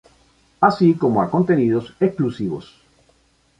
Así como a contenidos exclusivos.